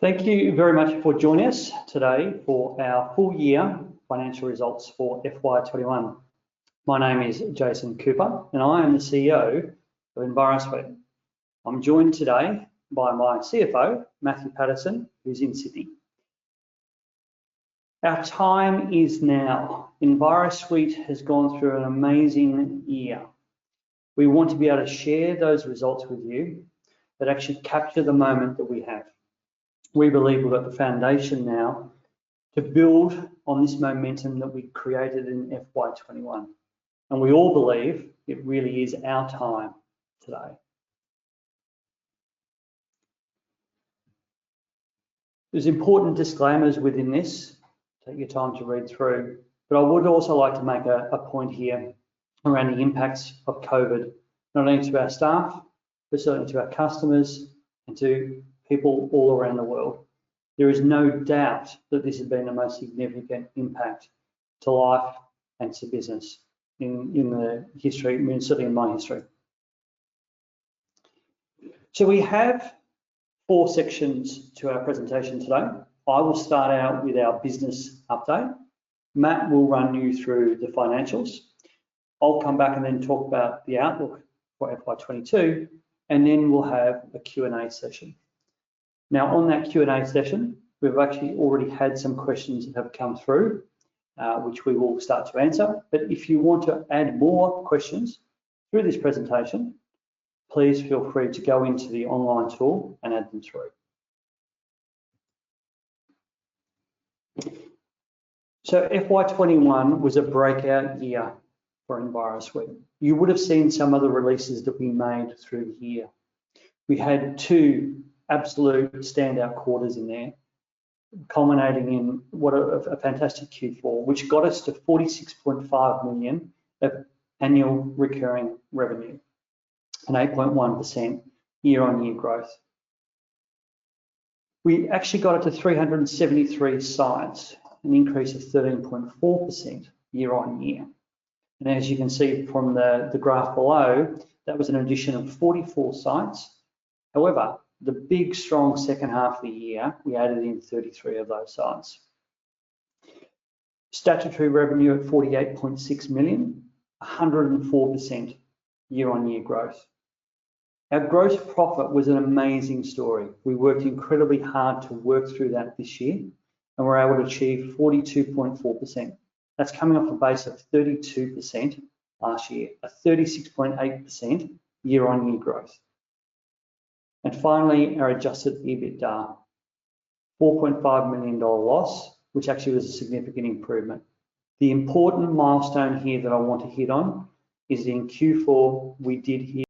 Thank you very much for joining us today for our full year financial results for FY 2021. My name is Jason Cooper, and I am the CEO of Envirosuite. I'm joined today by my CFO, Matthew Patterson, who's in Sydney. Our time is now. Envirosuite has gone through an amazing year. We want to be able to share those results with you that actually capture the moment that we have. We believe we've got the foundation now to build on this momentum that we created in FY 2021, and we all believe it really is our time today. There's important disclaimers within this. Take your time to read through. I would also like to make a point here around the impacts of COVID, not only to our staff, but certainly to our customers and to people all around the world. There is no doubt that this has been the most significant impact to life and to business in the history, certainly in my history. We have four sections to our presentation today. I will start out with our business update. Matt will run you through the financials. I'll come back and then talk about the outlook for FY 2022, and then we'll have a Q&A session. On that Q&A session, we've actually already had some questions that have come through, which we will start to answer. If you want to add more questions through this presentation, please feel free to go into the online tool and add them through. FY 2021 was a breakout year for Envirosuite. You would have seen some of the releases that we made through here. We had two absolute standout quarters in there, culminating in what a fantastic Q4, which got us to 46.5 million of annual recurring revenue, an 8.1% year-on-year growth. We actually got it to 373 sites, an increase of 13.4% year-on-year. As you can see from the graph below, that was an addition of 44 sites. However, the big strong second half of the year, we added in 33 of those sites. Statutory revenue at 48.6 million, 104% year-on-year growth. Our gross profit was an amazing story. We worked incredibly hard to work through that this year, and we're able to achieve 42.4%. That's coming off a base of 32% last year, a 36.8% year-on-year growth. Finally, our adjusted EBITDA, 4.5 million dollar loss, which actually was a significant improvement. The important milestone here that I want to hit on is in Q4, we did hit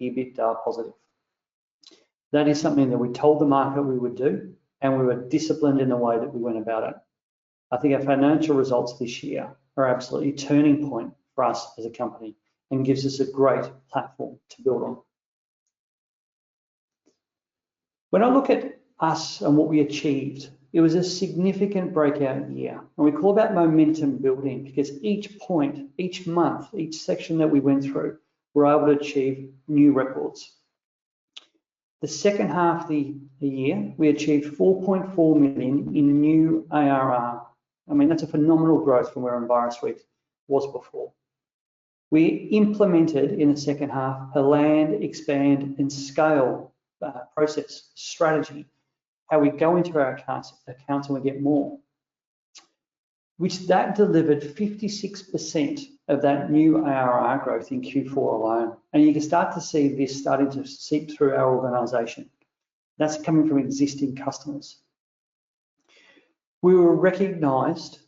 EBITDA positive. That is something that we told the market we would do. We were disciplined in the way that we went about it. I think our financial results this year are absolutely a turning point for us as a company and gives us a great platform to build on. When I look at us and what we achieved, it was a significant breakout year. We call that momentum building because each point, each month, each section that we went through, we're able to achieve new records. The second half of the year, we achieved 4.4 million in new ARR. I mean, that's a phenomenal growth from where Envirosuite was before. We implemented in the second half a Land, Expand and Scale process strategy, how we go into our accounts and we get more, which that delivered 56% of that new ARR growth in Q4 alone. You can start to see this starting to seep through our organization. That's coming from existing customers. We were recognized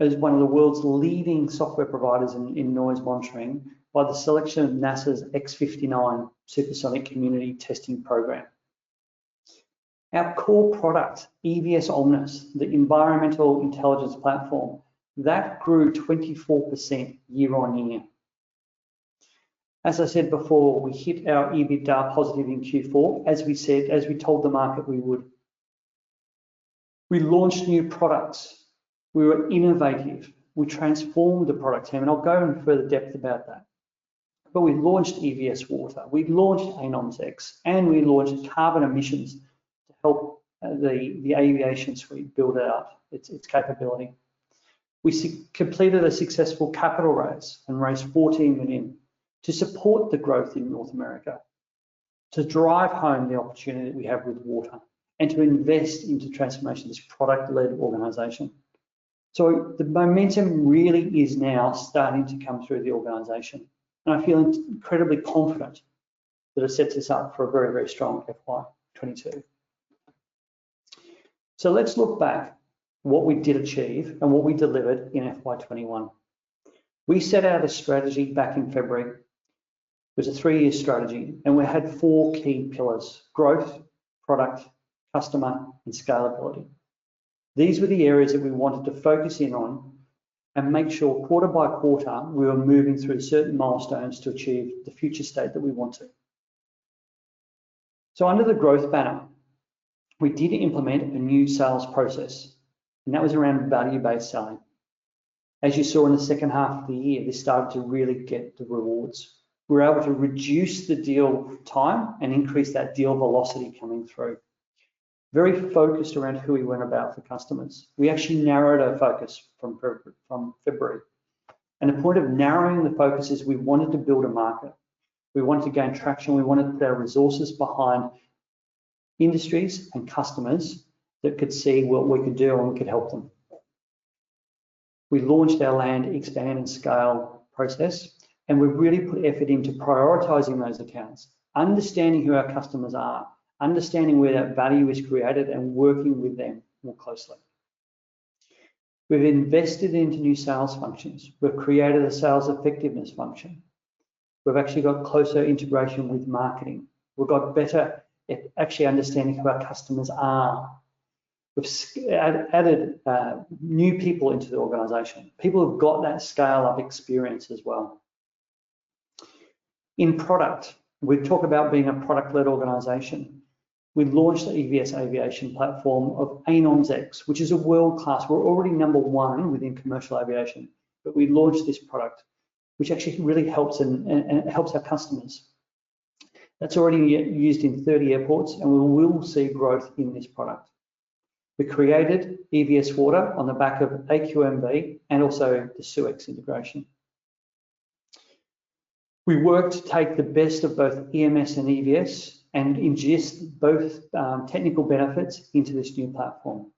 as one of the world's leading software providers in noise monitoring by the selection of NASA's X-59 Supersonic Community testing program. Our core product, EVS Omnis, the environmental intelligence platform, that grew 24% year-on-year. As I said before, we hit our EBITDA positive in Q4, as we said, as we told the market we would. We launched new products. We were innovative. We transformed the product team. I'll go in further depth about that. We launched EVS Water, we launched ANOMS, and we launched Carbon Emissions to help the EVS Aviation build out its capability. We completed a successful capital raise and raised 14 million to support the growth in North America, to drive home the opportunity that we have with water, and to invest into transformation of this product-led organization. The momentum really is now starting to come through the organization. I feel incredibly confident that it sets us up for a very, very strong FY 2022. Let's look back what we did achieve and what we delivered in FY 2021. We set out a strategy back in February. It was a three-year strategy, and we had four key pillars: growth, product, customer, and scalability. These were the areas that we wanted to focus in on and make sure quarter-by-quarter, we were moving through certain milestones to achieve the future state that we wanted. Under the growth banner, we did implement a new sales process, and that was around value-based selling. As you saw in the second half of the year, we started to really get the rewards. We were able to reduce the deal time and increase that deal velocity coming through. Very focused around who we went about for customers. We actually narrowed our focus from February. The point of narrowing the focus is we wanted to build a market. We wanted to gain traction. We wanted the resources behind industries and customers that could see what we could do and we could help them. We launched our Land, Expand and Scale process, and we really put effort into prioritizing those accounts, understanding who our customers are, understanding where that value is created, and working with them more closely. We've invested into new sales functions. We've created a sales effectiveness function. We've actually got closer integration with marketing. We've got better at actually understanding who our customers are. We've added new people into the organization, people who've got that scale-up experience as well. In product, we talk about being a product-led organization. We've launched the EVS Aviation platform of ANOMS X, which is a world-class. We're already number one within commercial aviation. We launched this product, which actually really helps our customers. That's already used in 30 airports, and we will see growth in this product. We created EVS Water on the back of AQmB and also the SeweX integration. We worked to take the best of both EMS and EVS and ingest both technical benefits into this new platform.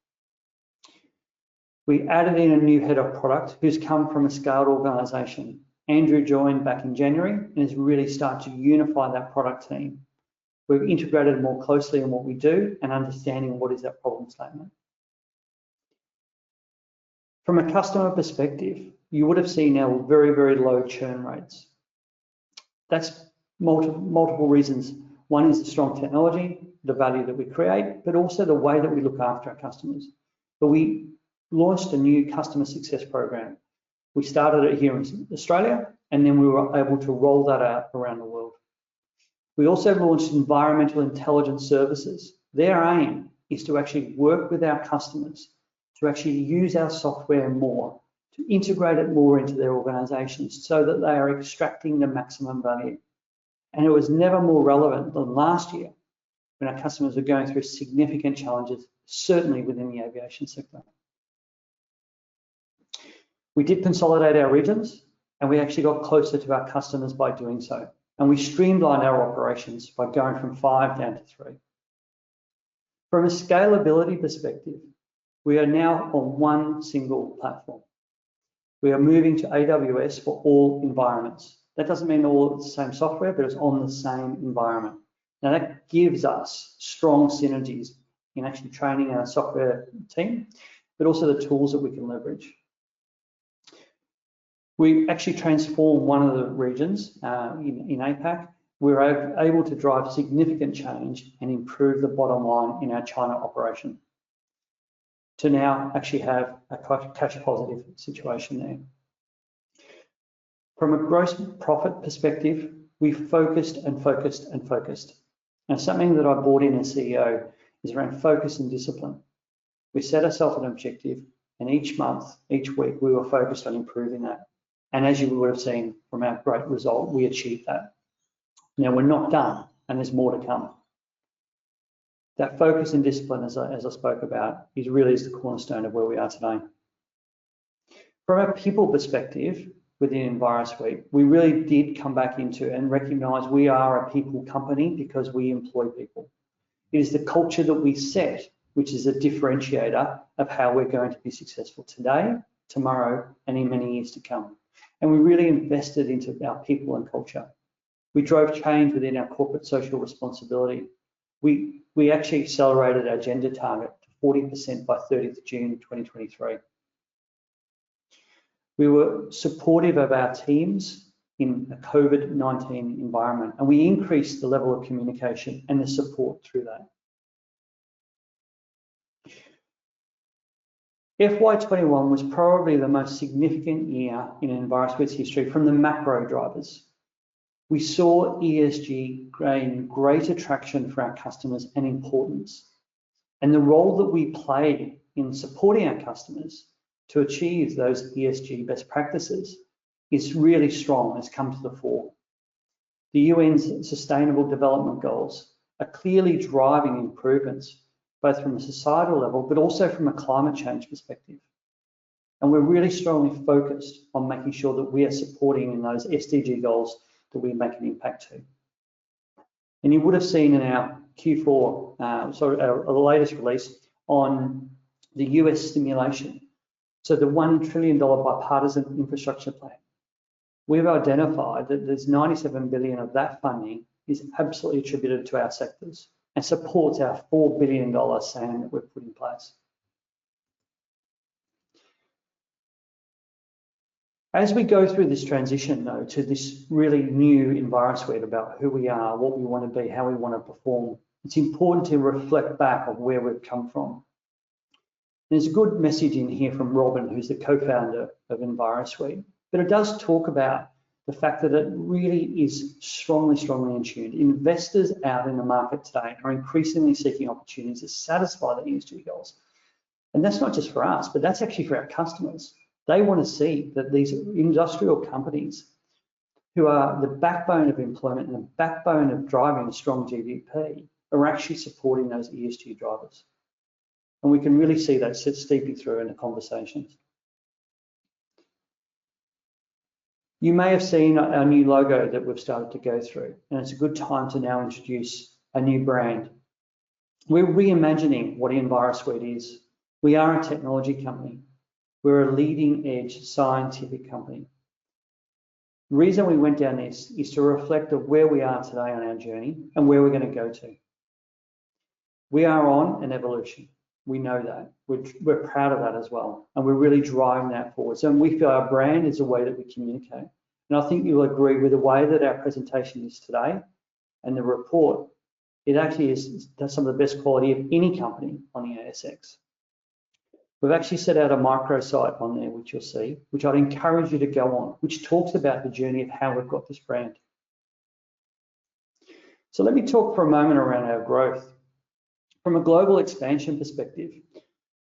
We added in a new head of product who's come from a scaled organization. Andrew joined back in January and is really starting to unify that product team. We've integrated more closely in what we do and understanding what is that problem statement. From a customer perspective, you would have seen our very, very low churn rates. That's multiple reasons. One is the strong technology, the value that we create, but also the way that we look after our customers. We launched a new customer success program. We started it here in Australia, and then we were able to roll that out around the world. We also launched Environmental Intelligence Services. Their aim is to actually work with our customers to actually use our software more, to integrate it more into their organizations so that they are extracting the maximum value. It was never more relevant than last year when our customers were going through significant challenges, certainly within the aviation sector. We did consolidate our regions, and we actually got closer to our customers by doing so. We streamlined our operations by going from five down to three. From a scalability perspective, we are now on one single platform. We are moving to AWS for all environments. That doesn't mean they're all the same software, but it's on the same environment. That gives us strong synergies in actually training our software team, but also the tools that we can leverage. We've actually transformed one of the regions, in APAC. We're able to drive significant change and improve the bottom line in our China operation to now actually have a cash-positive situation there. From a gross profit perspective, we focused and focused and focused. Something that I brought in as CEO is around focus and discipline. We set ourself an objective, and each month, each week, we were focused on improving that. As you would have seen from our great result, we achieved that. We're not done, and there's more to come. That focus and discipline, as I spoke about, is really the cornerstone of where we are today. From a people perspective within Envirosuite, we really did come back into and recognize we are a people company because we employ people. It is the culture that we set, which is a differentiator of how we're going to be successful today, tomorrow, and in many years to come. We really invested into our people and culture. We drove change within our corporate social responsibility. We actually accelerated our gender target to 40% by 30th June 2023. We were supportive of our teams in a COVID-19 environment. We increased the level of communication and the support through that. FY 2021 was probably the most significant year in Envirosuite's history from the macro drivers. We saw ESG gain greater traction for our customers and importance. The role that we played in supporting our customers to achieve those ESG best practices is really strong and has come to the fore. The UN's Sustainable Development Goals are clearly driving improvements, both from a societal level, but also from a climate change perspective. We're really strongly focused on making sure that we are supporting in those SDG goals that we make an impact to. You would have seen in our latest release on the U.S. stimulus, so the $1 trillion bipartisan infrastructure plan. We've identified that there's $97 billion of that funding is absolutely attributed to our sectors and supports our $4 billion SAM that we've put in place. As we go through this transition, though, to this really new Envirosuite about who we are, what we want to be, how we want to perform, it's important to reflect back on where we've come from. There's a good message in here from Robin, who's the co-founder of Envirosuite, but it does talk about the fact that it really is strongly in tune. Investors out in the market today are increasingly seeking opportunities to satisfy their ESG goals. That's not just for us, but that's actually for our customers. They want to see that these industrial companies who are the backbone of employment and the backbone of driving a strong GDP are actually supporting those ESG drivers. We can really see that steeping through in the conversations. You may have seen our new logo that we've started to go through. It's a good time to now introduce a new brand. We're reimagining what Envirosuite is. We are a technology company. We're a leading-edge scientific company. The reason we went down this is to reflect on where we are today on our journey and where we're going to go to. We are on an evolution. We know that. We're proud of that as well, and we're really driving that forward. We feel our brand is a way that we communicate. I think you'll agree with the way that our presentation is today and the report, it actually is some of the best quality of any company on the ASX. We've actually set out a microsite on there, which you'll see, which I'd encourage you to go on, which talks about the journey of how we've got this brand. Let me talk for a moment around our growth. From a global expansion perspective,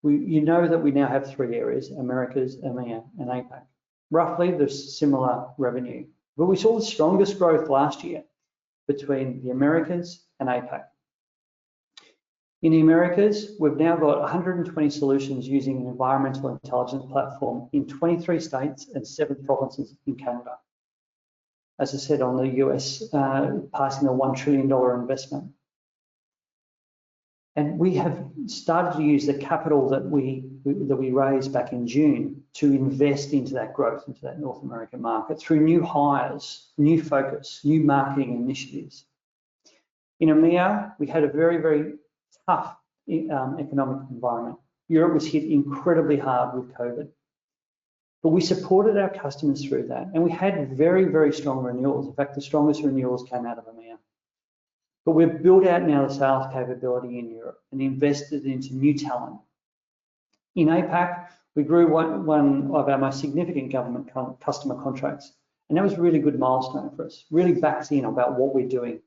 you know that we now have three areas, Americas, EMEA, and APAC. Roughly, they're similar revenue. We saw the strongest growth last year between the Americas and APAC. In the Americas, we've now got 120 solutions using an environmental intelligence platform in 23 states and seven provinces in Canada. As I said on the U.S., passing a $1 trillion investment. We have started to use the capital that we raised back in June to invest into that growth into that North American market through new hires, new focus, new marketing initiatives. In EMEA, we had a very, very tough economic environment. Europe was hit incredibly hard with COVID. We supported our customers through that, and we had very, very strong renewals. In fact, the strongest renewals came out of EMEA. We've built out now the sales capability in Europe and invested into new talent. In APAC, we grew one of our most significant government customer contracts, and that was a really good milestone for us. Really backs in about what we're doing.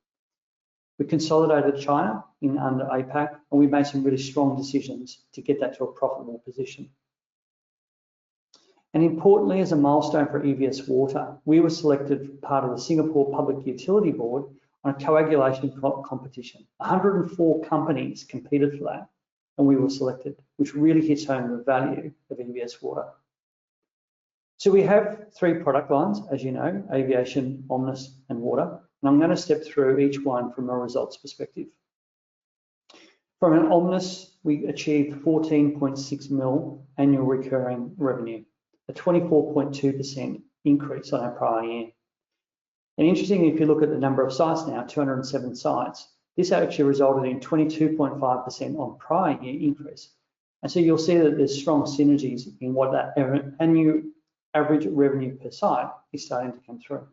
We consolidated China in under APAC, and we made some really strong decisions to get that to a profitable position. Importantly, as a milestone for EVS Water, we were selected part of the Singapore Public Utilities Board on a coagulation optimization. 104 companies competed for that, and we were selected, which really hits home the value of EVS Water. We have three product lines, as you know, aviation, Omnis, and water. I'm going to step through each one from a results perspective. From an Omnis, we achieved 14.6 million annual recurring revenue, a 24.2% increase on our prior year. Interestingly, if you look at the number of sites now, 207 sites, this actually resulted in 22.5% on prior year increase. You'll see that there's strong synergies in what that annual average revenue per site is starting to come through.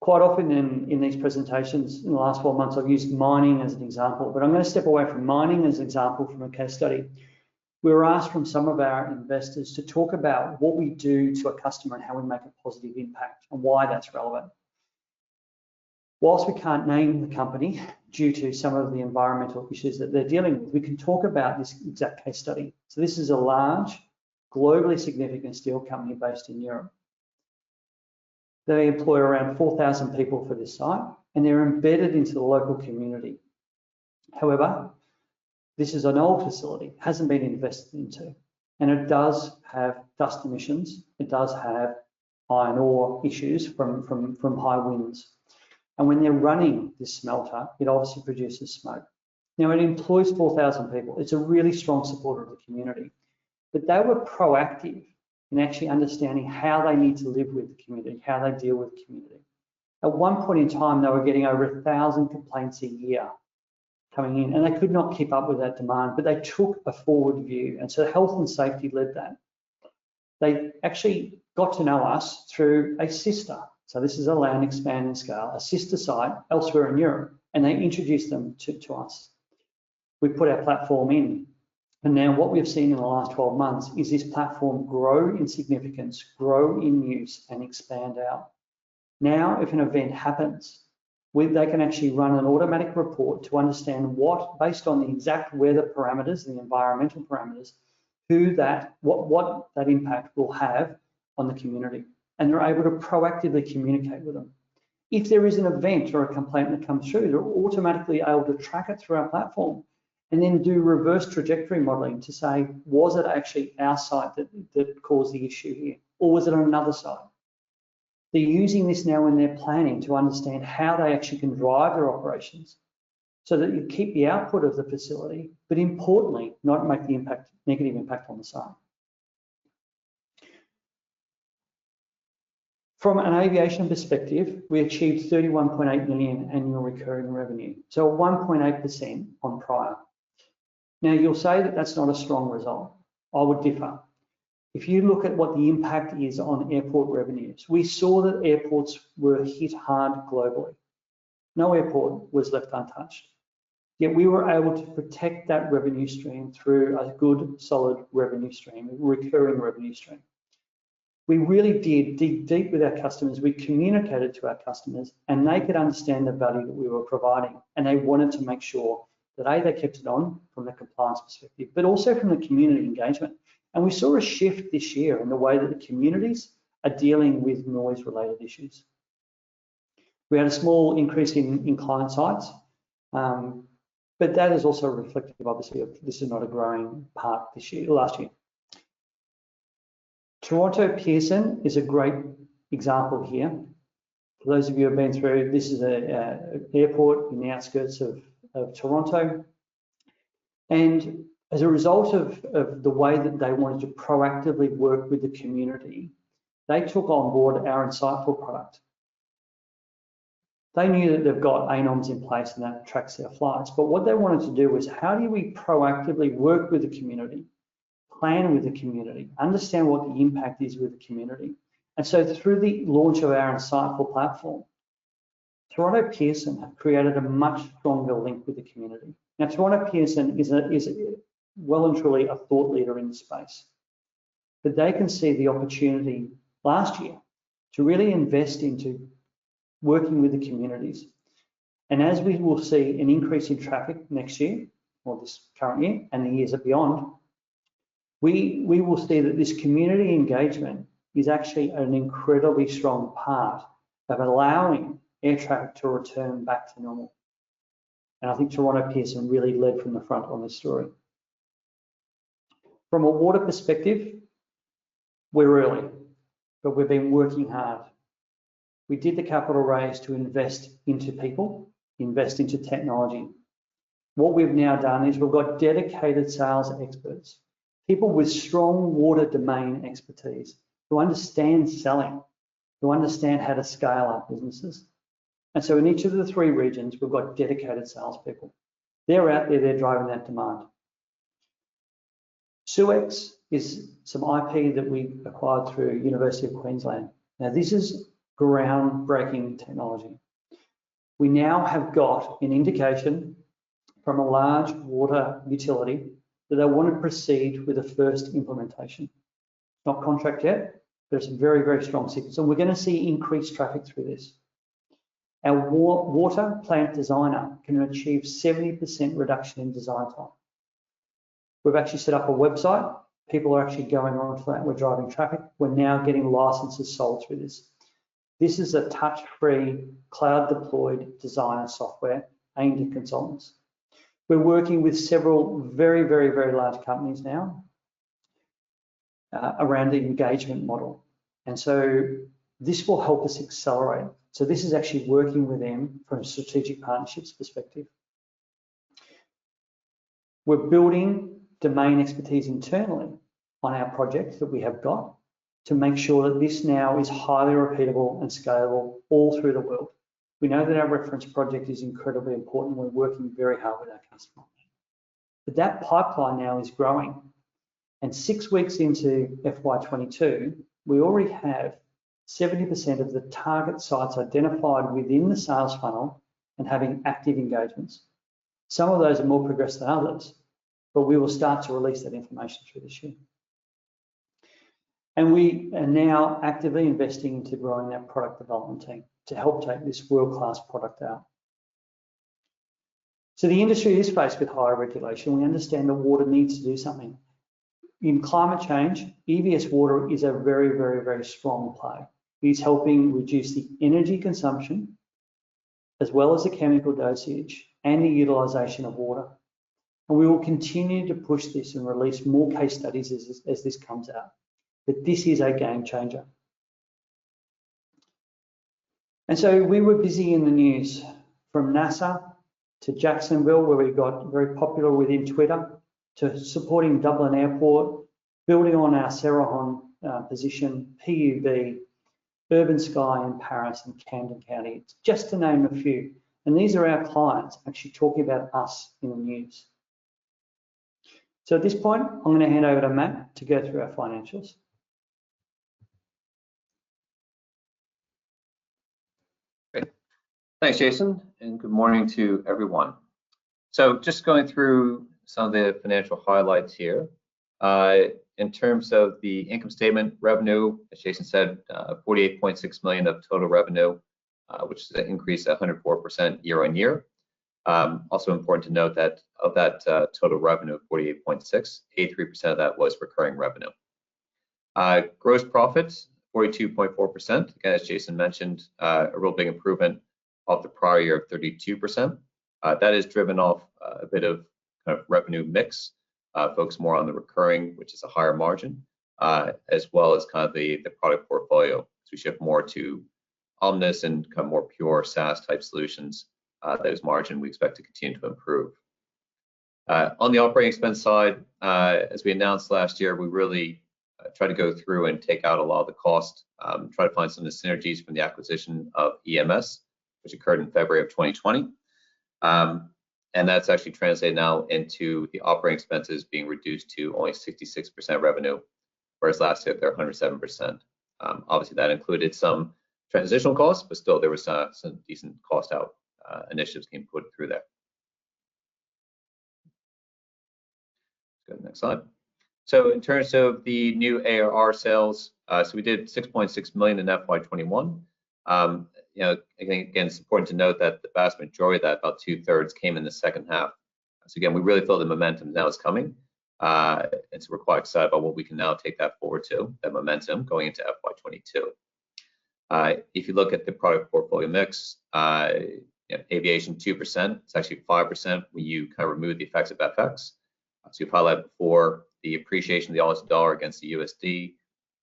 Quite often in these presentations in the last 12 months, I've used mining as an example, but I'm going to step away from mining as an example from a case study. We were asked from some of our investors to talk about what we do to a customer and how we make a positive impact and why that's relevant. While we can't name the company due to some of the environmental issues that they're dealing with, we can talk about this exact case study. This is a large, globally significant steel company based in Europe. They employ around 4,000 people for this site, and they're embedded into the local community. This is an old facility, hasn't been invested into, and it does have dust emissions. It does have iron ore issues from high winds. When they're running the smelter, it obviously produces smoke. It employs 4,000 people. It's a really strong supporter of the community. They were proactive in actually understanding how they need to live with the community, how they deal with community. At one point in time, they were getting over 1,000 complaints a year coming in, and they could not keep up with that demand, but they took a forward view. Health and safety led that. They actually got to know us through a sister. This is a Land, Expand and Scale, a sister site elsewhere in Europe. They introduced them to us. We put our platform in. Now what we've seen in the last 12 months is this platform grow in significance, grow in use, and expand out. Now, if an event happens, they can actually run an automatic report to understand what, based on the exact weather parameters and the environmental parameters, who that, what that impact will have on the community. They're able to proactively communicate with them. If there is an event or a complaint that comes through, they're automatically able to track it through our platform and then do reverse trajectory modeling to say, was it actually our site that caused the issue here, or was it another site? They're using this now in their planning to understand how they actually can drive their operations so that you keep the output of the facility, but importantly, not make the negative impact on the site. From an aviation perspective, we achieved 31.8 million annual recurring revenue, so 1.8% on prior. You'll say that that's not a strong result. I would differ. If you look at what the impact is on airport revenues, we saw that airports were hit hard globally. No airport was left untouched, yet we were able to protect that revenue stream through a good, solid revenue stream, a recurring revenue stream. We really did dig deep with our customers. We communicated to our customers, and they could understand the value that we were providing, and they wanted to make sure that, A, they kept it on from a compliance perspective, but also from a community engagement. We saw a shift this year in the way that the communities are dealing with noise-related issues. We had a small increase in client sites, but that is also reflective of, obviously, of this is not a growing part last year. Toronto Pearson is a great example here. For those of you who have been through, this is an airport in the outskirts of Toronto. As a result of the way that they wanted to proactively work with the community, they took onboard our InsightFull product. They knew that they've got ANOMS in place and that tracks their flights. What they wanted to do was how do we proactively work with the community, plan with the community, understand what the impact is with the community? Through the launch of our InsightFull platform, Toronto Pearson have created a much stronger link with the community. Toronto Pearson is well and truly a thought leader in the space, but they can see the opportunity last year to really invest into working with the communities. As we will see an increase in traffic next year, or this current year, and the years beyond, we will see that this community engagement is actually an incredibly strong part of allowing air traffic to return back to normal. I think Toronto Pearson really led from the front on this story. From a water perspective, we're early, but we've been working hard. We did the capital raise to invest into people, invest into technology. What we've now done is we've got dedicated sales experts, people with strong water domain expertise who understand selling, who understand how to scale up businesses. So in each of the three regions, we've got dedicated salespeople. They're out there, they're driving that demand. SeweX is some IP that we acquired through The University of Queensland. This is groundbreaking technology. We now have got an indication from a large water utility that they want to proceed with a 1st implementation. It's not contract yet. There's some very, very strong signals. We're going to see increased traffic through this. Our Water Plant Designer can achieve 70% reduction in design time. We've actually set up a website. People are actually going on to that. We're driving traffic. We're now getting licenses sold through this. This is a touch-free, cloud-deployed designer software aimed at consultants. We're working with several very large companies now around the engagement model. This will help us accelerate. This is actually working with them from a strategic partnerships perspective. We're building domain expertise internally on our projects that we have got to make sure that this now is highly repeatable and scalable all through the world. We know that our reference project is incredibly important. We're working very hard with our customer. That pipeline now is growing, and six weeks into FY 2022, we already have 70% of the target sites identified within the sales funnel and having active engagements. Some of those are more progressed than others, but we will start to release that information through this year. We are now actively investing into growing that product development team to help take this world-class product out. The industry is faced with higher regulation. We understand that water needs to do something. In climate change, EVS Water is a very strong play. It is helping reduce the energy consumption as well as the chemical dosage and the utilization of water. We will continue to push this and release more case studies as this comes out. This is a game changer. We were busy in the news from NASA to Jacksonville, where we got very popular within Twitter, to supporting Dublin Airport, building on our Cerrejón position, PUB, UrbanV in Paris and Camden County, just to name a few. These are our clients actually talking about us in the news. At this point, I'm going to hand over to Matt to go through our financials. Great. Thanks, Jason, good morning to everyone. Just going through some of the financial highlights here. In terms of the income statement revenue, as Jason said, 48.6 million of total revenue, which is an increase of 104% year-on-year. Also important to note that of that total revenue of 48.6, 83% of that was recurring revenue. Gross profits, 42.4%. Again, as Jason mentioned, a real big improvement off the prior year of 32%. That is driven off a bit of revenue mix, focused more on the recurring, which is a higher margin, as well as the product portfolio. As we shift more to Omnis and more pure SaaS-type solutions, those margin we expect to continue to improve. On the operating expense side, as we announced last year, we really tried to go through and take out a lot of the cost, try to find some of the synergies from the acquisition of EMS, which occurred in February of 2020. That's actually translated now into the operating expenses being reduced to only 66% revenue, whereas last year it was 107%. Obviously, that included some transitional costs, still there were some decent cost out initiatives being put through there. Let's go to the next slide. In terms of the new ARR sales, we did 6.6 million in FY 2021. Again, it's important to note that the vast majority of that, about two-thirds, came in the second half. Again, we really feel the momentum now is coming. We're quite excited about what we can now take that forward to, that momentum going into FY 2022. If you look at the product portfolio mix, aviation 2%, it's actually 5% when you remove the effects of FX. As we've highlighted before, the appreciation of the U.S. dollar against the USD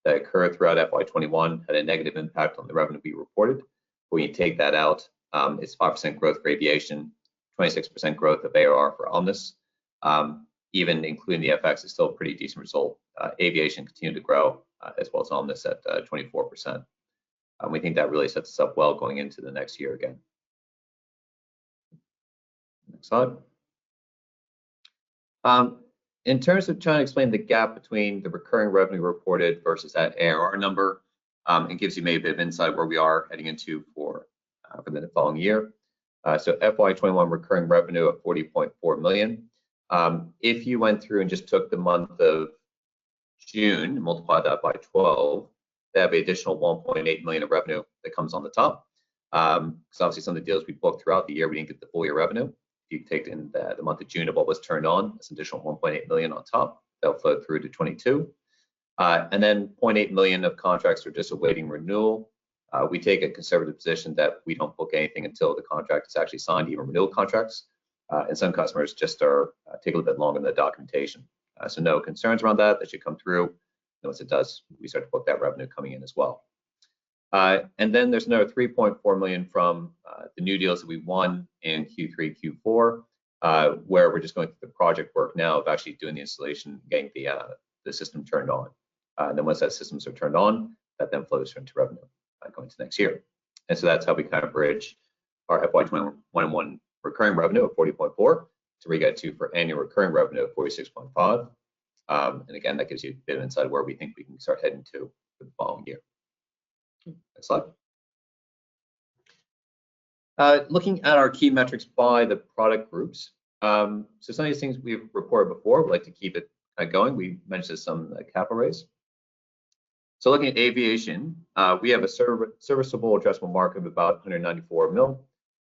that occurred throughout FY 2021 had a negative impact on the revenue we reported. When you take that out, it's 5% growth for aviation, 26% growth of ARR for Omnis. Even including the FX, it's still a pretty decent result. Aviation continued to grow, as well as Omnis at 24%. We think that really sets us up well going into the next year again. Next slide. In terms of trying to explain the gap between the recurring revenue reported versus that ARR number, it gives you maybe a bit of insight where we are heading into for the following year. FY 2021 recurring revenue of 40.4 million. If you went through and just took the month of June and multiplied that by 12, that'd be additional 1.8 million of revenue that comes on the top. Obviously some of the deals we book throughout the year, we didn't get the full year revenue. If you take the month of June of what was turned on, it's an additional 1.8 million on top. That'll flow through to 2022. 0.8 million of contracts are just awaiting renewal. We take a conservative position that we don't book anything until the contract is actually signed, even renewal contracts. Some customers just take a little bit longer in the documentation. No concerns around that. That should come through. Once it does, we start to book that revenue coming in as well. There's another 3.4 million from the new deals that we won in Q3, Q4, where we're just going through the project work now of actually doing the installation, getting the system turned on. Once those systems are turned on, that then flows through into revenue going into next year. That's how we bridge our FY 2021 recurring revenue of AUD 40.4 million to where you get to for annual recurring revenue of 46.5 million. Again, that gives you a bit of insight where we think we can start heading to the following year. Next slide. Looking at our key metrics by the product groups. Some of these things we've reported before. We like to keep it going. We mentioned some capital raise. Looking at aviation, we have a serviceable addressable market of about 194 million,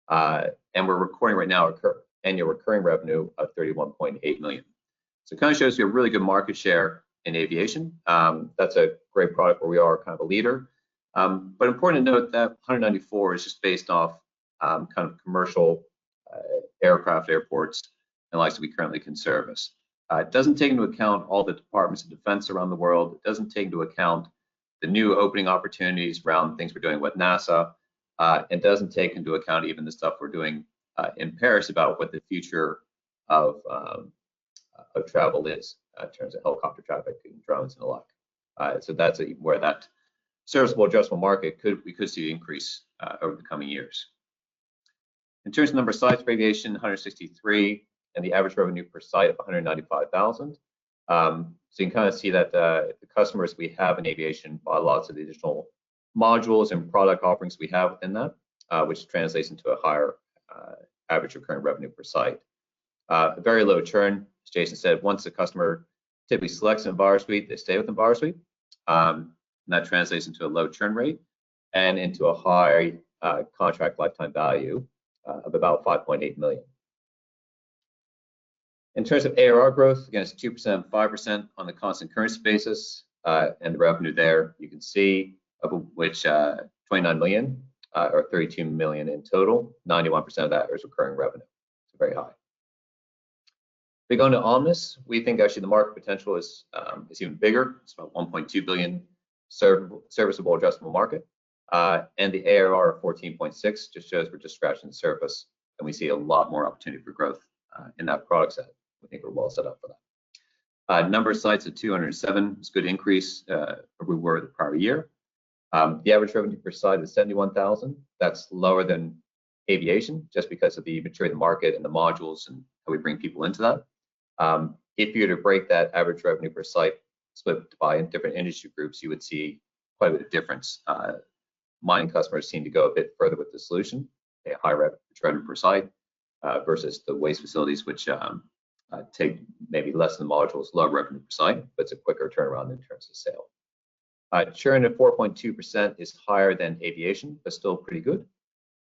and we're recording right now annual recurring revenue of 31.8 million. It shows you a really good market share in aviation. That's a great product where we are a leader. Important to note that 194 million is just based off commercial aircraft, airports, and the likes that we currently can service. It doesn't take into account all the departments of defense around the world. It doesn't take into account the new opening opportunities around things we're doing with NASA. It doesn't take into account even the stuff we're doing in Paris about what the future of travel is in terms of helicopter traffic and drones and the like. That's where that serviceable addressable market we could see increase over the coming years. In terms of number of sites for aviation, 163, and the average revenue per site of 195,000. You can see that the customers we have in aviation buy lots of the additional modules and product offerings we have within that, which translates into a higher average recurring revenue per site. A very low churn. As Jason said, once the customer typically selects Envirosuite, they stay with Envirosuite. That translates into a low churn rate and into a high contract lifetime value of about 5.8 million. In terms of ARR growth, again, it's 2% and 5% on the constant currency basis. The revenue there you can see of which 29 million, or 32 million in total, 91% of that is recurring revenue. It's very high. If we go into Omnis, we think actually the market potential is even bigger. It's about 1.2 billion serviceable addressable market. The ARR of 14.6 just shows we're just scratching the surface, and we see a lot more opportunity for growth in that product set. We think we're well set up for that. Number of sites at 207. It's a good increase over where we were the prior year. The average revenue per site is 71,000. That's lower than aviation just because of the maturity of the market and the modules and how we bring people into that. If you were to break that average revenue per site split by different industry groups, you would see quite a bit of difference. Mine customers seem to go a bit further with the solution. They have high revenue per site, versus the waste facilities which take maybe less of the modules, lower revenue per site, but it's a quicker turnaround in terms of sale. Churn at 4.2% is higher than aviation, but still pretty good.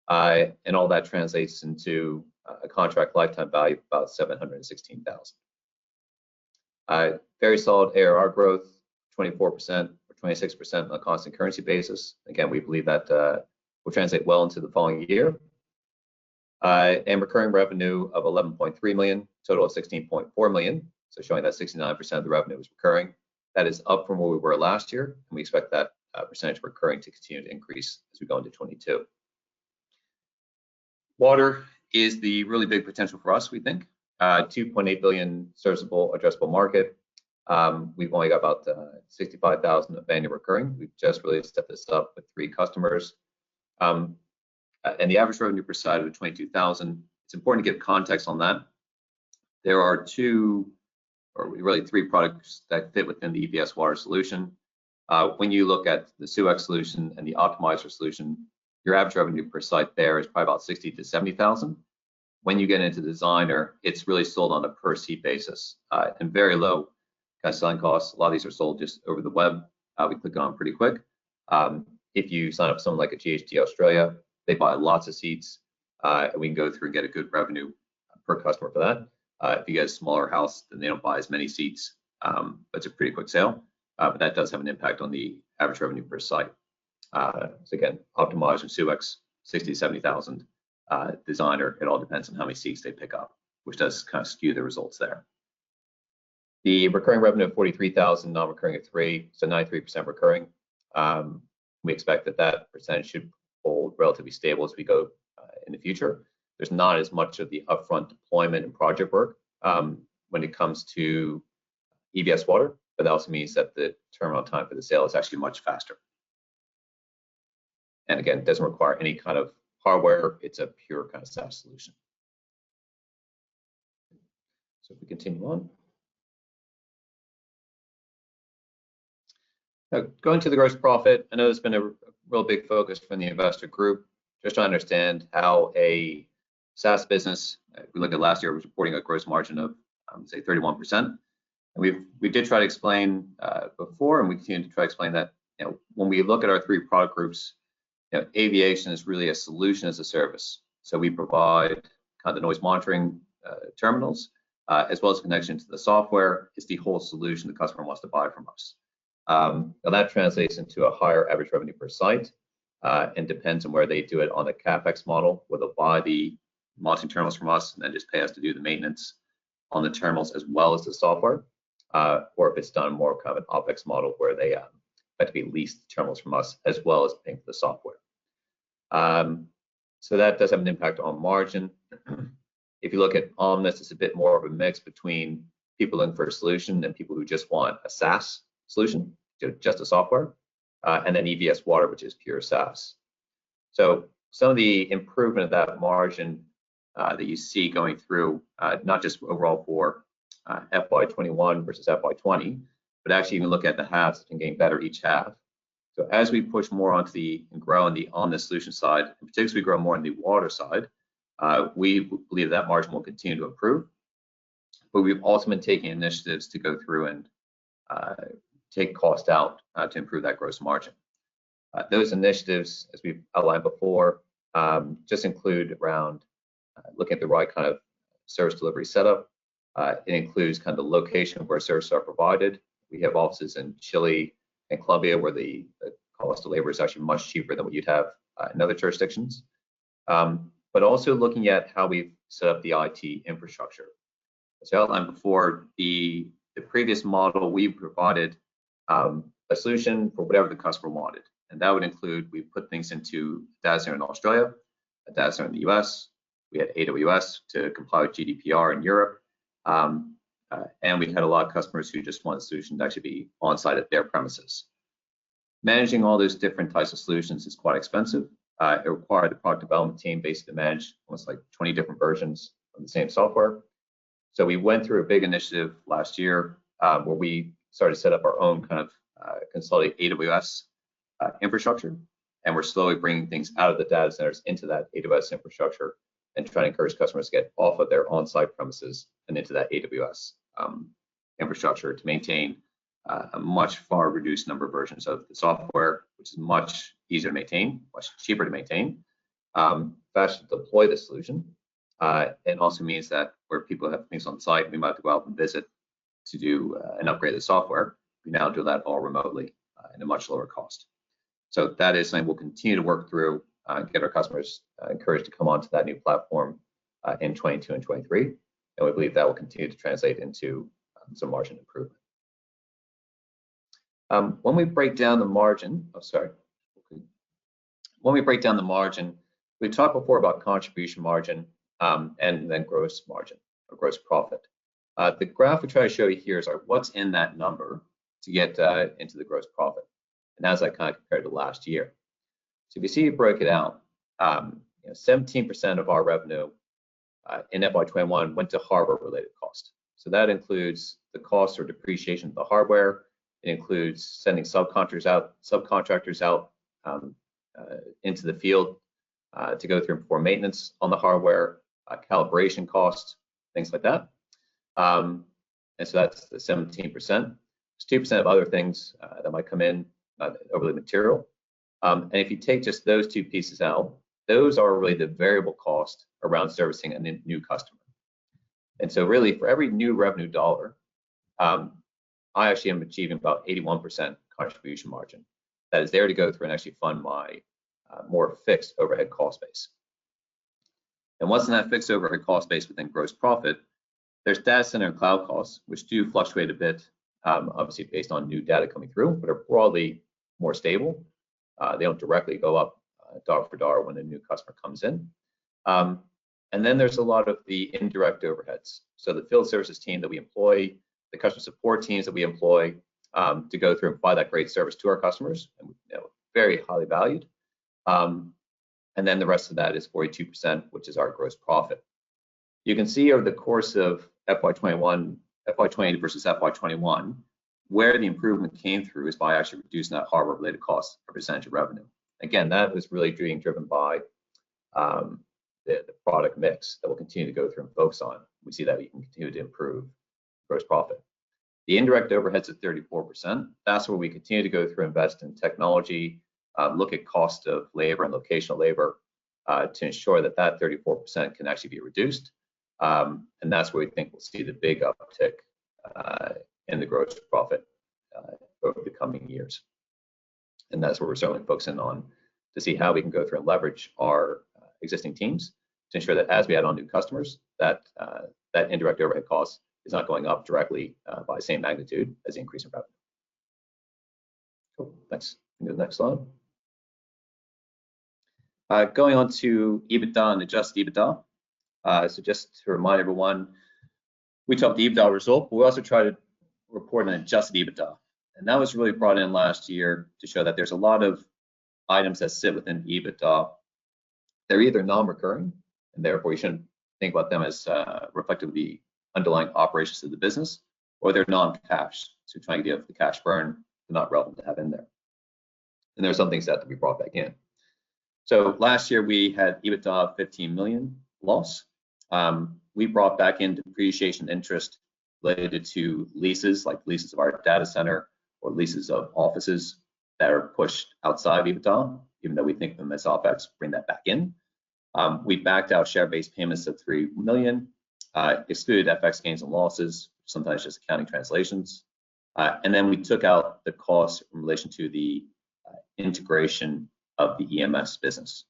All that translates into a contract lifetime value of about 716,000. Very solid ARR growth, 24%, or 26% on a constant currency basis. Again, we believe that will translate well into the following year. Recurring revenue of 11.3 million, total of 16.4 million. Showing that 69% of the revenue is recurring. That is up from where we were last year, we expect that percentage recurring to continue to increase as we go into 2022. Water is the really big potential for us, we think. 2.8 billion serviceable addressable market. We've only got about 65,000 annual recurring. We've just really set this up with three customers. The average revenue per site of 22,000, it's important to give context on that. There are two or really three products that fit within the EVS Water solution. You look at the SeweX solution and the Optimiser solution, your average revenue per site there is probably about 60,000-70,000. You get into Designer, it's really sold on a per-seat basis, and very low customer sign costs. A lot of these are sold just over the web. We click on pretty quick. If you sign up someone like a GHD Australia, they buy lots of seats. We can go through and get a good revenue per customer for that. If you get a smaller house, then they don't buy as many seats, but it's a pretty quick sale. That does have an impact on the average revenue per site. Again, Optimiser, SeweX, 60,000-70,000. Designer, it all depends on how many seats they pick up, which does kind of skew the results there. The recurring revenue of 43,000, non-recurring at 3,000, so 93% recurring. We expect that percentage should hold relatively stable as we go in the future. There's not as much of the upfront deployment and project work when it comes to EVS Water, but that also means that the turnaround time for the sale is actually much faster. It doesn't require any kind of hardware. It's a pure kind of SaaS solution. If we continue on. Going to the gross profit, I know there's been a real big focus from the investor group just to understand how a SaaS business, if we look at last year, was reporting a gross margin of, say, 31%. We did try to explain before, and we continue to try to explain that when we look at our three product groups, aviation is really a solution as a service. We provide the noise monitoring terminals, as well as connection to the software is the whole solution the customer wants to buy from us. That translates into a higher average revenue per site, and depends on where they do it on the CapEx model, where they'll buy the monitoring terminals from us and then just pay us to do the maintenance on the terminals as well as the software. If it's done more of an OpEx model where they have to lease the terminals from us, as well as paying for the software. That does have an impact on margin. If you look at Omnis, it's a bit more of a mix between people looking for a solution and people who just want a SaaS solution, just the software, and then EVS Water, which is pure SaaS. Some of the improvement of that margin that you see going through, not just overall for FY 2021 versus FY 2020, but actually even look at the halves and getting better each half. As we push more and grow on the Omnis solution side, in particular as we grow more on the water side, we believe that margin will continue to improve. We've also been taking initiatives to go through and take cost out to improve that gross margin. Those initiatives, as we've outlined before, just include around looking at the right kind of service delivery setup. It includes the location of where services are provided. We have offices in Chile and Colombia where the cost of labor is actually much cheaper than what you'd have in other jurisdictions. Also looking at how we've set up the IT infrastructure. As outlined before, the previous model we provided a solution for whatever the customer wanted, and that would include we put things into data center in Australia, a data center in the U.S. We had AWS to comply with GDPR in Europe. We had a lot of customers who just wanted solutions actually be on-site at their premises. Managing all those different types of solutions is quite expensive. It required the product development team basically to manage almost 20 different versions of the same software. We went through a big initiative last year, where we started to set up our own kind of consolidated AWS infrastructure, and we are slowly bringing things out of the data centers into that AWS infrastructure and to try to encourage customers to get off of their on-site premises and into that AWS infrastructure to maintain a much far reduced number of versions of the software, which is much easier to maintain, much cheaper to maintain, faster to deploy the solution. It also means that where people have things on site, we might have to go out and visit to do an upgraded software. We now do that all remotely in a much lower cost. That is something we will continue to work through and get our customers encouraged to come onto that new platform in 2022 and 2023. We believe that will continue to translate into some margin improvement. When we break down the margin, we talked before about contribution margin and then gross margin or gross profit. The graph we try to show you here is what's in that number to get into the gross profit and how does that compare to last year. If you see, you break it out, 17% of our revenue in FY 2021 went to hardware-related cost. That includes the cost or depreciation of the hardware. It includes sending subcontractors out into the field to go through and perform maintenance on the hardware, calibration cost, things like that. That's the 17%. There's 2% of other things that might come in, not overly material. If you take just those two pieces out, those are really the variable costs around servicing a new customer. Really for every new revenue dollar, I actually am achieving about 81% contribution margin that is there to go through and actually fund my more fixed overhead cost base. Once in that fixed overhead cost base within gross profit, there's data center and cloud costs, which do fluctuate a bit, obviously based on new data coming through, but are broadly more stable. They don't directly go up dollar for dollar when a new customer comes in. There's a lot of the indirect overheads. The field services team that we employ, the customer support teams that we employ to go through and provide that great service to our customers, and very highly valued. The rest of that is 42%, which is our gross profit. You can see over the course of FY 2020 versus FY 2021, where the improvement came through is by actually reducing that hardware-related cost percentage of revenue. That was really being driven by the product mix that we'll continue to go through and focus on. We see that we can continue to improve gross profit. The indirect overhead's at 34%. That's where we continue to go through, invest in technology, look at cost of labor and location of labor to ensure that that 34% can actually be reduced. That's where we think we'll see the big uptick in the gross profit over the coming years. That's where we're certainly focusing on to see how we can go through and leverage our existing teams to ensure that as we add on new customers, that indirect overhead cost is not going up directly by the same magnitude as the increase in revenue. Cool. Let's go to the next slide. Going on to EBITDA and adjusted EBITDA. Just to remind everyone, we talk the EBITDA result, but we also try to report an adjusted EBITDA. That was really brought in last year to show that there's a lot of items that sit within EBITDA. They're either non-recurring, and therefore you shouldn't think about them as reflective of the underlying operations of the business, or they're non-cash. Trying to give the cash burn, they're not relevant to have in there. There are some things that can be brought back in. Last year, we had EBITDA of 15 million loss. We brought back in depreciation interest related to leases, like leases of our data center or leases of offices that are pushed outside of EBITDA, even though we think of them as OpEx, bring that back in. We backed out share-based payments of 3 million, excluded FX gains and losses, sometimes just accounting translations. Then we took out the cost in relation to the integration of the EMS business,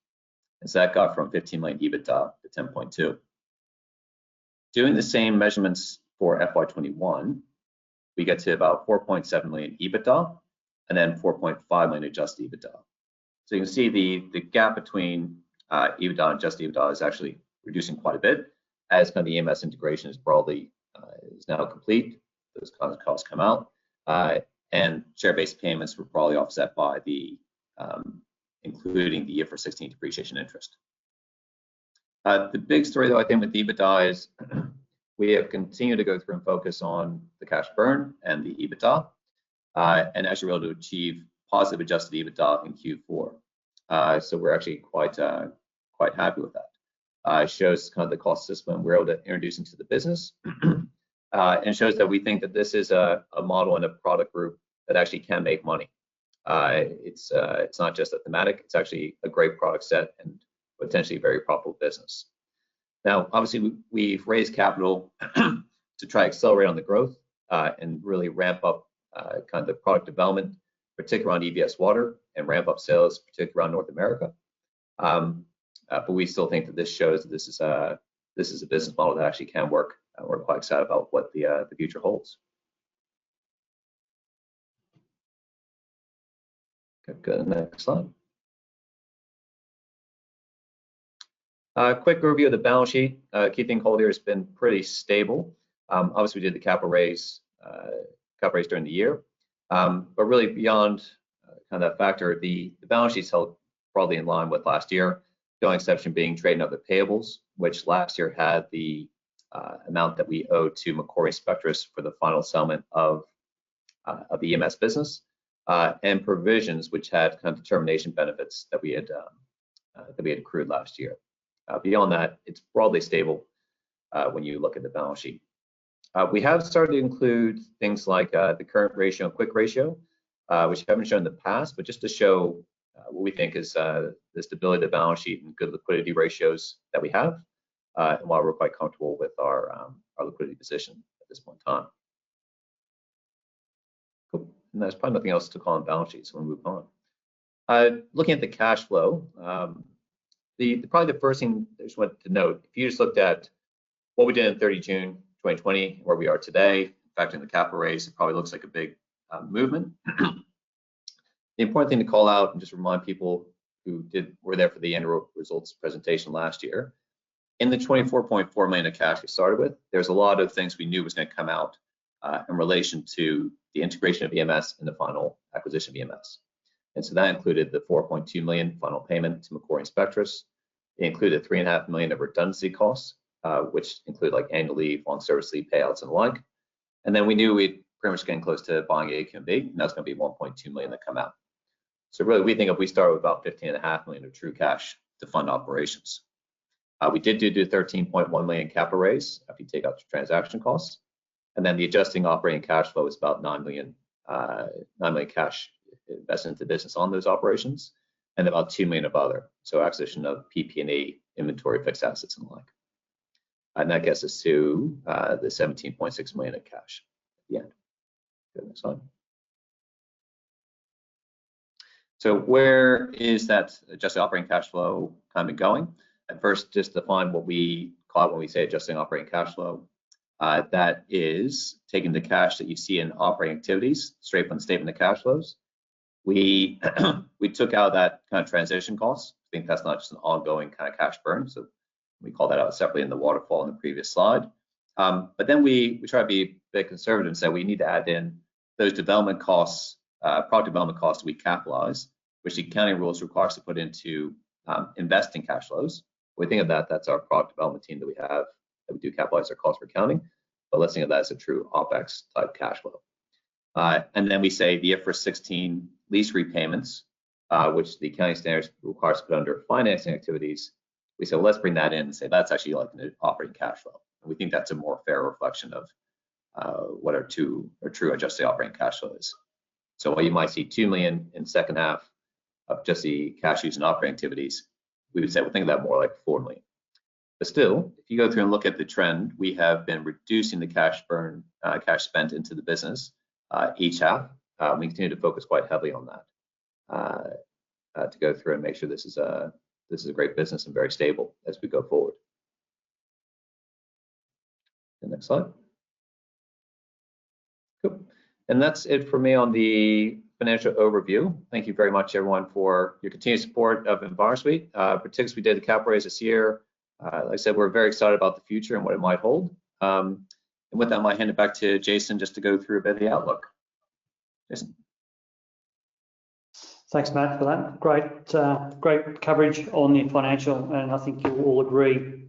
that got from 15 million EBITDA to 10.2 million. Doing the same measurements for FY 2021, we get to about 4.7 million EBITDA and then 4.5 million adjusted EBITDA. You can see the gap between EBITDA and adjusted EBITDA is actually reducing quite a bit as kind of the EMS integration is now complete. Those kinds of costs come out. Share-based payments were broadly offset by including the IFRS 16 depreciation interest. The big story, though, I think with EBITDA is we have continued to go through and focus on the cash burn and the EBITDA, and actually were able to achieve positive adjusted EBITDA in Q4. We're actually quite happy with that. Shows kind of the cost discipline we're able to introduce into the business and shows that we think that this is a model and a product group that actually can make money. It's not just a thematic, it's actually a great product set and potentially a very profitable business. Obviously, we've raised capital to try to accelerate on the growth, and really ramp up kind of the product development, particularly around EVS Water and ramp up sales, particularly around North America. We still think that this shows that this is a business model that actually can work, and we're quite excited about what the future holds. Okay, go to the next slide. A quick review of the balance sheet. Key thing to hold here has been pretty stable. Obviously, we did the capital raise during the year. Really beyond that factor, the balance sheet's held broadly in line with last year. The only exception being trading up the payables, which last year had the amount that we owed to Macquarie/Spectris for the final settlement of the EMS business, and provisions which had kind of determination benefits that we had accrued last year. Beyond that, it's broadly stable when you look at the balance sheet. We have started to include things like the current ratio and quick ratio, which we haven't shown in the past, but just to show what we think is the stability of the balance sheet and good liquidity ratios that we have, and why we're quite comfortable with our liquidity position at this point in time. Cool. There's probably nothing else to call on balance sheets, so we'll move on. Looking at the cash flow, probably the first thing I just wanted to note, if you just looked at what we did on 30 June 2020 and where we are today, factoring the capital raise, it probably looks like a big movement. The important thing to call out, just remind people who were there for the annual results presentation last year, in the 24.4 million of cash we started with, there's a lot of things we knew were going to come out in relation to the integration of EMS and the final acquisition of EMS. That included the 4.2 million final payment to Macquarie/Spectris. It included three and a half million of redundancy costs, which include annual leave, long service leave payouts, and the like. We knew we were pretty much getting close to buying AQmB, and that's going to be 1.2 million that came out. Really, we think if we start with about 15.5 million of true cash to fund operations. We did do the 13.1 million capital raise, if you take out the transaction costs, and then the adjusting operating cash flow was about 9 million cash invested into the business on those operations, and about 2 million of other, so acquisition of PP&E, inventory, fixed assets, and the like. That gets us to the 17.6 million of cash at the end. Go to the next slide. Where is that adjusted operating cash flow going? First, just to define what we call it when we say adjusted operating cash flow. That is taking the cash that you see in operating activities straight from the statement of cash flows. We took out that transaction cost. I think that's not just an ongoing kind of cash burn, so we call that out separately in the waterfall in the previous slide. We try to be a bit conservative and say we need to add in those product development costs we capitalize, which the accounting rules require us to put into investing cash flows. We think of that's our product development team that we have, that we do capitalize our costs for accounting, but let's think of that as a true OpEx-type cash flow. We say IFRS 16 lease repayments, which the accounting standards requires to put under financing activities. We say, well, let's bring that in and say that's actually operating cash flow. We think that's a more fair reflection of what our true adjusted operating cash flow is. While you might see 2 million in second half of just the cash used in operating activities, we would say, well, think of that more like 4 million. Still, if you go through and look at the trend, we have been reducing the cash burn, cash spent into the business each half. We continue to focus quite heavily on that, to go through and make sure this is a great business and very stable as we go forward. The next slide. Cool. That's it for me on the financial overview. Thank you very much everyone for your continued support of Envirosuite, particularly as we did the cap raise this year. Like I said, we're very excited about the future and what it might hold. With that, I might hand it back to Jason just to go through a bit of the outlook. Jason. Thanks, Matt, for that. Great coverage on the financial. I think you'll all agree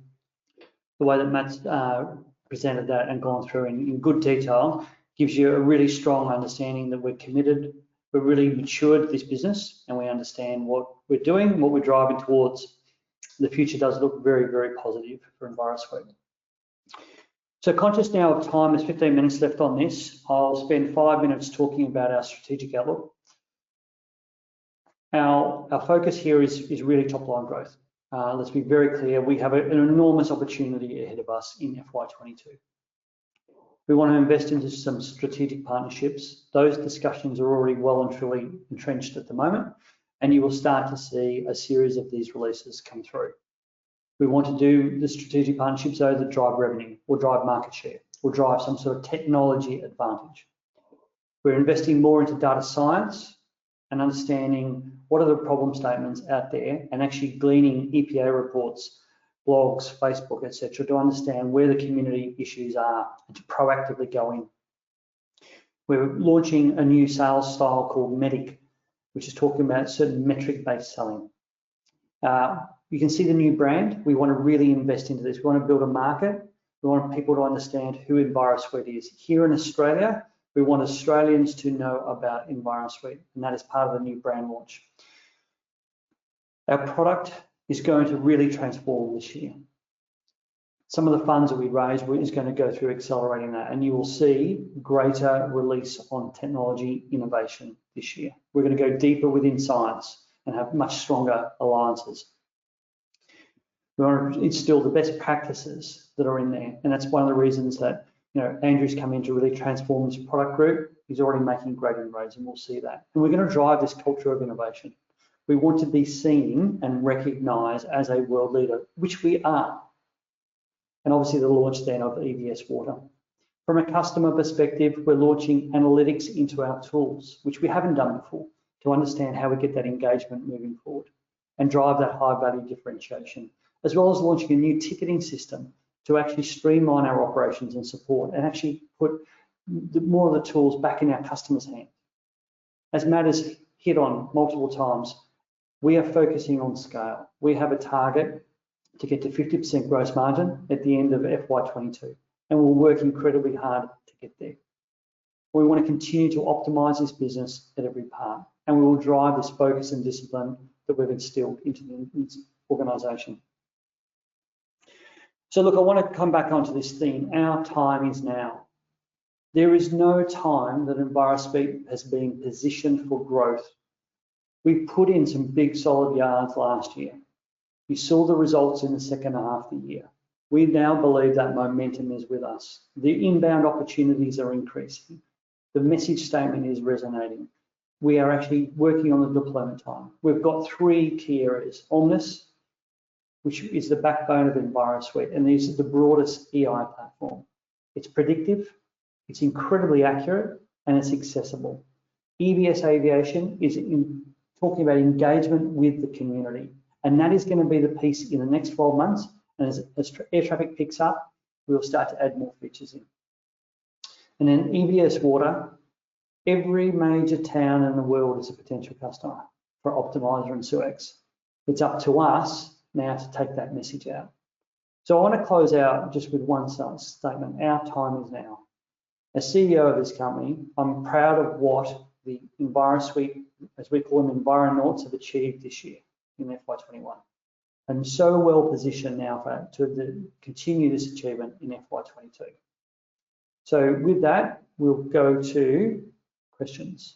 the way that Matthew's presented that and gone through in good detail gives you a really strong understanding that we're committed. We're really matured this business. We understand what we're doing and what we're driving towards. The future does look very, very positive for Envirosuite. Conscious now of time. There's 15 minutes left on this. I'll spend five minutes talking about our strategic outlook. Our focus here is really top-line growth. Let's be very clear. We have an enormous opportunity ahead of us in FY 2022. We want to invest into some strategic partnerships. Those discussions are already well and truly entrenched at the moment. You will start to see a series of these releases come through. We want to do the strategic partnerships, though, that drive revenue or drive market share or drive some sort of technology advantage. We're investing more into data science and understanding what are the problem statements out there and actually gleaning EPA reports, blogs, Facebook, et cetera, to understand where the community issues are and to proactively going. We're launching a new sales style called MEDDIC, which is talking about certain metric-based selling. You can see the new brand. We want to really invest into this. We want to build a market. We want people to understand who Envirosuite is here in Australia. We want Australians to know about Envirosuite, that is part of the new brand launch. Our product is going to really transform this year. Some of the funds that we raised is going to go through accelerating that. You will see greater release on technology innovation this year. We're going to go deeper within science and have much stronger alliances. We want to instill the best practices that are in there. That's one of the reasons that Andrew's come in to really transform this product group. He's already making great inroads. We'll see that. We're going to drive this culture of innovation. We want to be seen and recognized as a world leader, which we are. Obviously the launch then of EVS Water. From a customer perspective, we're launching analytics into our tools, which we haven't done before, to understand how we get that engagement moving forward and drive that high-value differentiation. As well as launching a new ticketing system to actually streamline our operations and support and actually put more of the tools back in our customers' hands. As Matt has hit on multiple times, we are focusing on scale. We have a target to get to 50% gross margin at the end of FY 2022, and we'll work incredibly hard to get there. We want to continue to optimize this business at every part, and we will drive this focus and discipline that we've instilled into the organization. Look, I want to come back onto this theme. Our time is now. There is no time that Envirosuite has been positioned for growth. We put in some big solid yards last year. We saw the results in the second half of the year. We now believe that momentum is with us. The inbound opportunities are increasing. The message statement is resonating. We are actually working on the deployment time. We've got three key areas. Omnis, which is the backbone of Envirosuite, and this is the broadest EI platform. It's predictive, it's incredibly accurate, and it's accessible. EVS Aviation is talking about engagement with the community, and that is going to be the piece in the next 12 months. As air traffic picks up, we'll start to add more features in. EVS Water, every major town in the world is a potential customer for Optimiser and SeweX. It's up to us now to take that message out. I want to close out just with one statement. Our time is now. As CEO of this company, I'm proud of what the Envirosuite, as we call them, Environauts, have achieved this year in FY 2021, and so well-positioned now to continue this achievement in FY 2022. With that, we'll go to questions.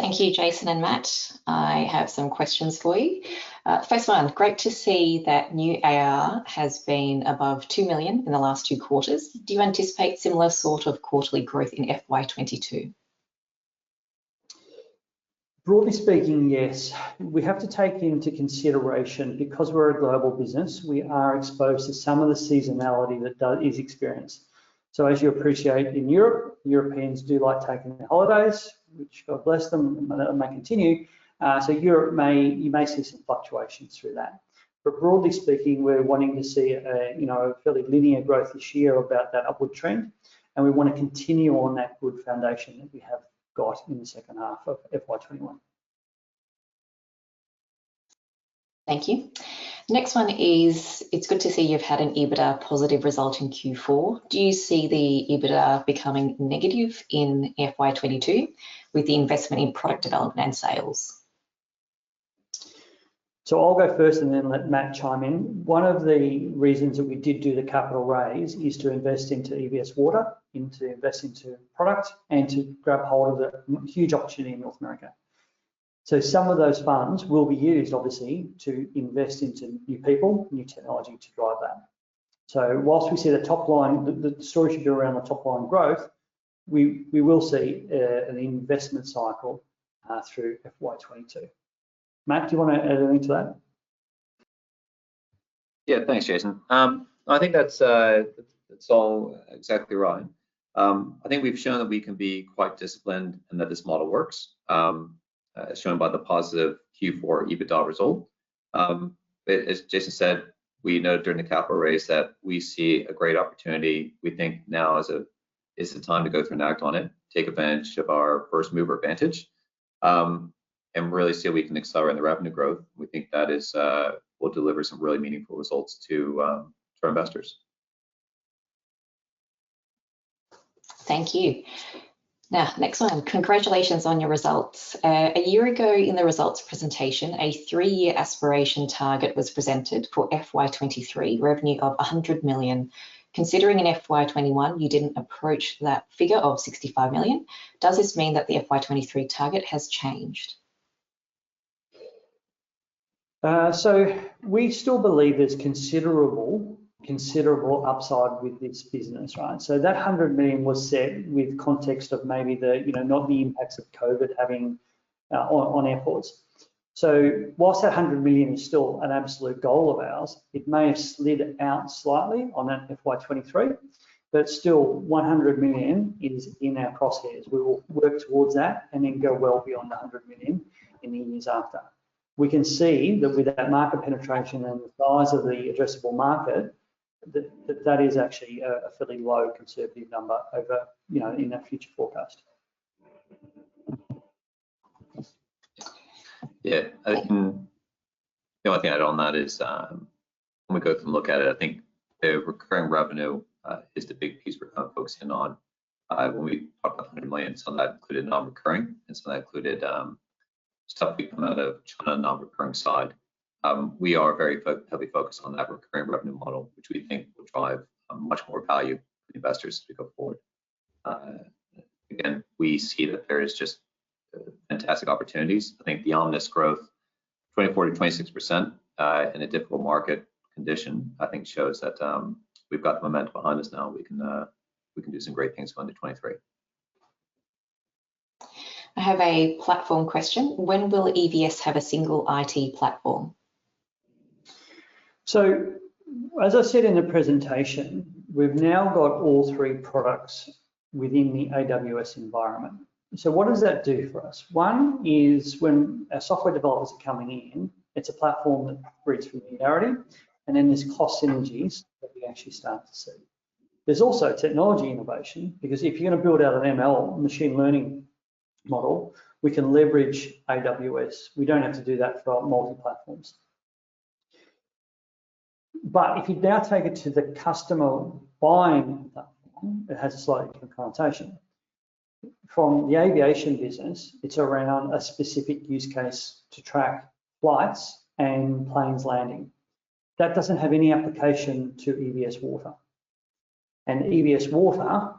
Thank you, Jason and Matt. I have some questions for you. First one, great to see that new ARR has been above 2 million in the last two quarters. Do you anticipate similar sort of quarterly growth in FY 2022? Broadly speaking, yes. We have to take into consideration, because we're a global business, we are exposed to some of the seasonality that is experienced. As you appreciate in Europe, Europeans do like taking their holidays, which God bless them, may continue. Europe, you may see some fluctuations through that. Broadly speaking, we're wanting to see a fairly linear growth this year about that upward trend, and we want to continue on that good foundation that we have got in the second half of FY 2021. Thank you. Next one is, it's good to see you've had an EBITDA positive result in Q4. Do you see the EBITDA becoming negative in FY 2022 with the investment in product development and sales? I'll go first and then let Matt chime in. One of the reasons that we did do the capital raise is to invest into EVS Water, into invest into product, and to grab hold of the huge opportunity in North America. Some of those funds will be used, obviously, to invest into new people, new technology to drive that. Whilst we see the story should be around the top line growth, we will see an investment cycle through FY 2022. Matt, do you want to add anything to that? Yeah. Thanks, Jason. I think that's all exactly right. I think we've shown that we can be quite disciplined and that this model works, as shown by the positive Q4 EBITDA result. As Jason said, we noted during the capital raise that we see a great opportunity. We think now is the time to go through and act on it, take advantage of our first-mover advantage, and really see if we can accelerate the revenue growth. We think that will deliver some really meaningful results to our investors. Thank you. Now, next one. Congratulations on your results. A year ago in the results presentation, a three-year aspiration target was presented for FY 2023 revenue of 100 million. Considering in FY 2021 you didn't approach that figure of 65 million, does this mean that the FY 2023 target has changed? We still believe there's considerable upside with this business, right? That 100 million was set with context of maybe the, not the impacts of COVID having on airports. Whilst that 100 million is still an absolute goal of ours, it may have slid out slightly on that FY 2023, but still 100 million is in our crosshairs. We will work towards that and then go well beyond the 100 million in the years after. We can see that with that market penetration and the size of the addressable market, that that is actually a fairly low conservative number over, in that future forecast. Yeah. The only thing I'd add on that is, when we go through and look at it, I think the recurring revenue is the big piece we're kind of focusing on. When we talk about 100 million, some of that included non-recurring, and some of that included stuff coming out of China, non-recurring side. We are very heavily focused on that recurring revenue model, which we think will drive much more value for investors as we go forward. Again, we see that there is just fantastic opportunities. I think beyond this growth, 24%-26% in a difficult market condition, I think shows that we've got the momentum behind us now and we can do some great things going to 2023. I have a platform question. When will EVS have a single IT platform? As I said in the presentation, we've now got all three products within the AWS environment. What does that do for us? One is when our software developers are coming in, it's a platform that breeds familiarity and then there's cost synergies that we actually start to see. There's also technology innovation, because if you're going to build out an ML, machine learning model, we can leverage AWS. We don't have to do that through our multi-platforms. If you now take it to the customer buying platform, it has a slightly different connotation. From the aviation business, it's around a specific use case to track flights and planes landing. That doesn't have any application to EVS Water. EVS Water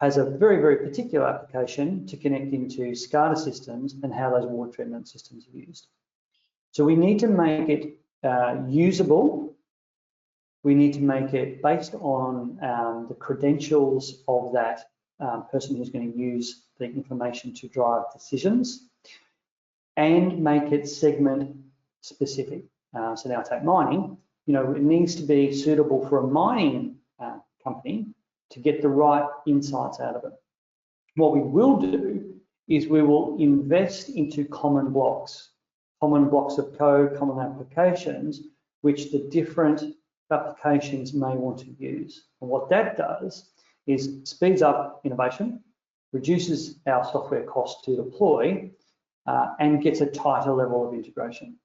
has a very, very particular application to connect into SCADA systems and how those water treatment systems are used. We need to make it usable, we need to make it based on the credentials of that person who's going to use the information to drive decisions, and make it segment-specific. Now take mining. It needs to be suitable for a mining company to get the right insights out of it. What we will do is we will invest into common blocks, common blocks of code, common applications, which the different applications may want to use. What that does is speeds up innovation, reduces our software cost to deploy, and gets a tighter level of integration.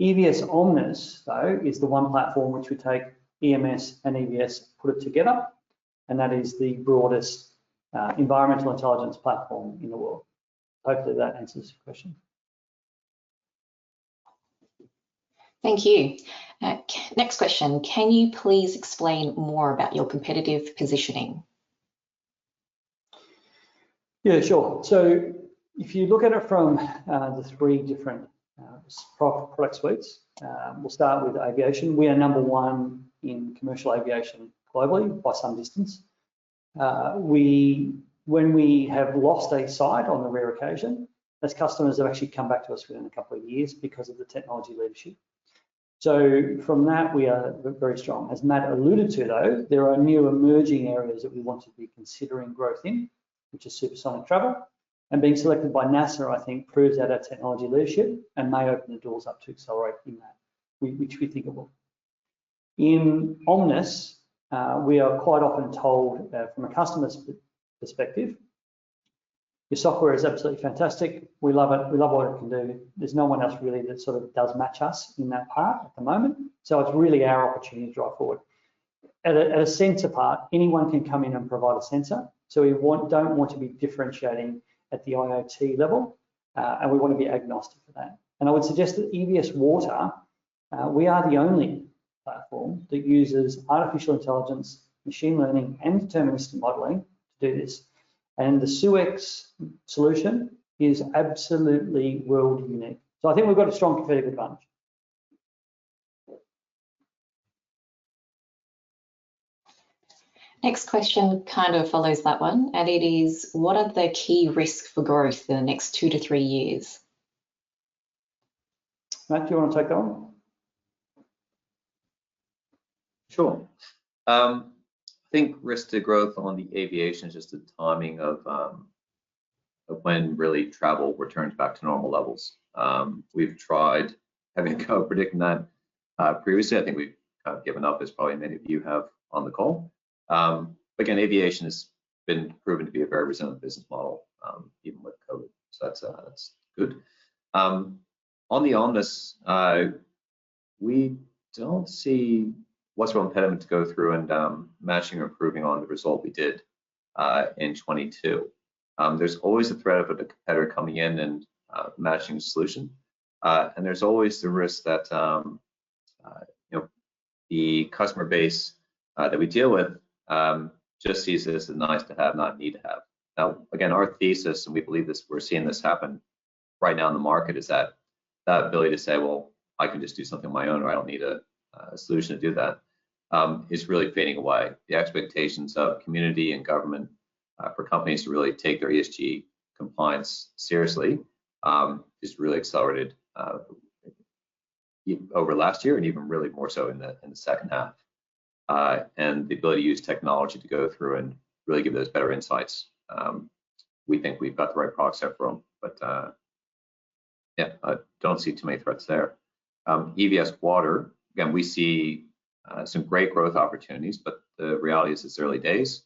EVS Omnis, though, is the one platform which we take EMS and EVS, put it together, and that is the broadest environmental intelligence platform in the world. Hopefully, that answers your question Thank you. Next question: Can you please explain more about your competitive positioning? Yeah, sure. If you look at it from the three different product suites, we'll start with aviation. We are number one in commercial aviation globally by some distance. When we have lost a site on the rare occasion, those customers have actually come back to us within a couple of years because of the technology leadership. From that, we are very strong. As Matt alluded to, though, there are new emerging areas that we want to be considering growth in, which is supersonic travel. Being selected by NASA, I think proves our technology leadership and may open the doors up to accelerate in that, which we think it will. In Omnis, we are quite often told from a customer's perspective, "Your software is absolutely fantastic. We love it. We love what it can do. There's no one else really that sort of does match us in that part at the moment. It's really our opportunity to drive forward. At a sensor part, anyone can come in and provide a sensor, so we don't want to be differentiating at the IoT level, and we want to be agnostic for that. I would suggest that EVS Water, we are the only platform that uses artificial intelligence, machine learning, and deterministic modeling to do this. The SeweX solution is absolutely world unique. I think we've got a strong competitive advantage. Next question kind of follows that one, and it is: What are the key risks for growth in the next two to three years? Matt, do you want to take that one? Sure. I think risk to growth on the aviation is just the timing of when, really, travel returns back to normal levels. We've tried having a go at predicting that previously. I think we've kind of given up, as probably many of you have on the call. Aviation has been proven to be a very resilient business model even with COVID, so that's good. On the Omnis, we don't see what's real impediment to go through and matching or improving on the result we did in 2022. There's always a threat of a competitor coming in and matching the solution. There's always the risk that the customer base that we deal with just sees it as a nice-to-have, not need-to-have. Now, again, our thesis, and we believe this, we're seeing this happen right now in the market, is that that ability to say, "Well, I can just do something on my own, or I don't need a solution to do that," is really fading away. The expectations of community and government for companies to really take their ESG compliance seriously has really accelerated over last year and even really more so in the second half. The ability to use technology to go through and really give those better insights, we think we've got the right products there for them. Yeah, I don't see too many threats there. EVS Water, again, we see some great growth opportunities, the reality is it's early days.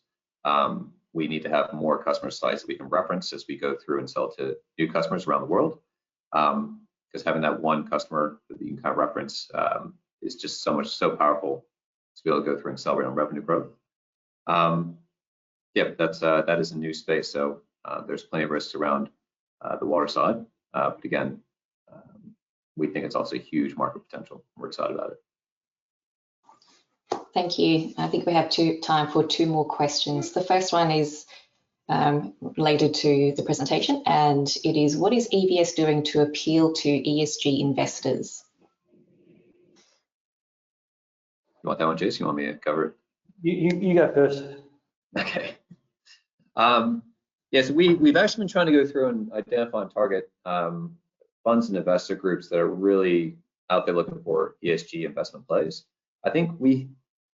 We need to have more customer sites that we can reference as we go through and sell to new customers around the world. Having that one customer that you can kind of reference is just so powerful to be able to go through and accelerate on revenue growth. That is a new space, so there's plenty of risks around the water side. Again, we think it's also a huge market potential. We're excited about it. Thank you. I think we have time for two more questions. The first one is related to the presentation, and it is: What is EVS doing to appeal to ESG investors? You want that one, Jason, or you want me to cover it? You go first. Okay. Yeah, we've actually been trying to go through and identify and target funds and investor groups that are really out there looking for ESG investment plays. I think we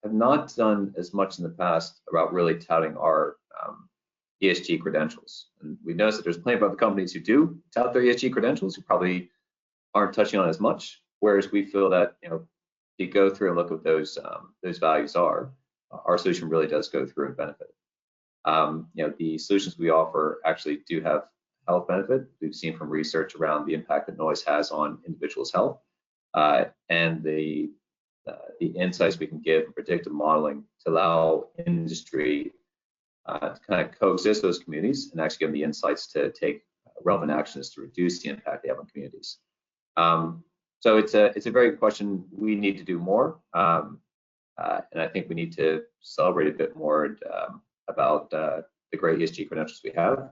have not done as much in the past about really touting our ESG credentials. We notice that there's plenty of other companies who do tout their ESG credentials who probably aren't touching on it as much. Whereas we feel that if you go through and look at what those values are, our solution really does go through and benefit. The solutions we offer actually do have a health benefit. We've seen from research around the impact that noise has on individuals' health. The insights we can give and predictive modeling to allow industry to kind of coexist with those communities and actually give them the insights to take relevant actions to reduce the impact they have on communities. It's a very good question. We need to do more. I think we need to celebrate a bit more about the great ESG credentials we have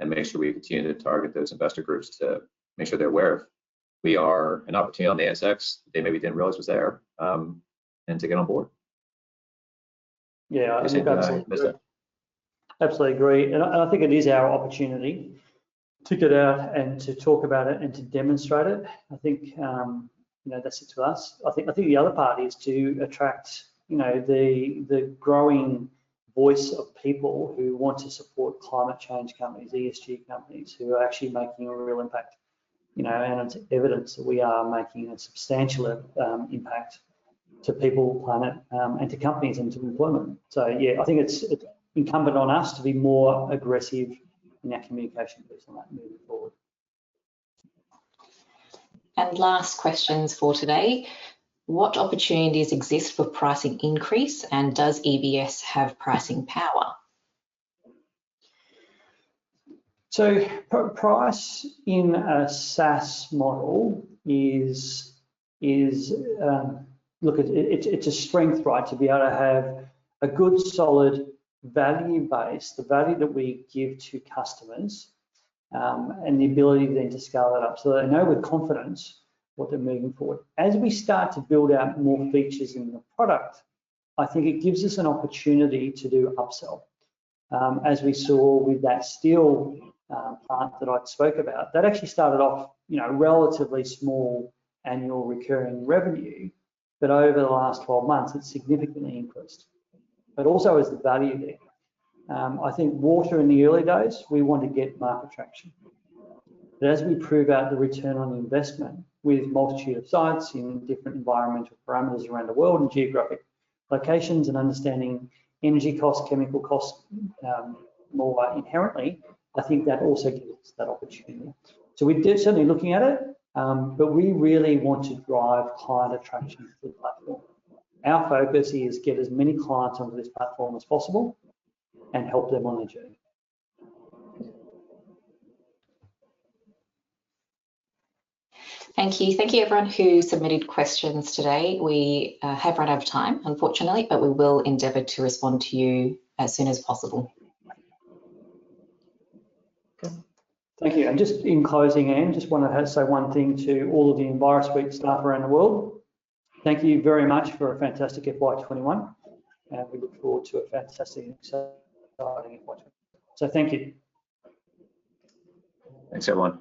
and make sure we continue to target those investor groups to make sure they're aware of we are an opportunity on the ASX they maybe didn't realize was there, and to get on board. Yeah, I think that's. Is it? Absolutely agree. I think it is our opportunity to get out and to talk about it and to demonstrate it. I think that's it to us. I think the other part is to attract the growing voice of people who want to support climate change companies, ESG companies, who are actually making a real impact. It's evidence that we are making a substantial impact to people, planet, and to companies and to employment. Yeah, I think it's incumbent on us to be more aggressive in our communication based on that moving forward. Last questions for today: What opportunities exist for pricing increase, and does EVS have pricing power? Price in a SaaS model, it's a strength, right? To be able to have a good, solid value base, the value that we give to customers, and the ability then to scale that up so they know with confidence what they're moving forward. As we start to build out more features in the product, I think it gives us an opportunity to do upsell. As we saw with that steel plant that I spoke about, that actually started off relatively small annual recurring revenue. Over the last 12 months, it's significantly increased. Also is the value there. I think water in the early days, we want to get market traction. As we prove out the return on investment with multitude of sites in different environmental parameters around the world and geographic locations and understanding energy costs, chemical costs, more inherently, I think that also gives us that opportunity. We're certainly looking at it, but we really want to drive client attraction to the platform. Our focus is get as many clients onto this platform as possible and help them on their journey. Thank you. Thank you everyone who submitted questions today. We have run out of time, unfortunately, but we will endeavor to respond to you as soon as possible. Okay. Thank you. Just in closing, Anne, just want to say one thing to all of the Envirosuite staff around the world. Thank you very much for a fantastic FY 2021, and we look forward to a fantastic starting FY 2022. Thank you. Thanks, everyone.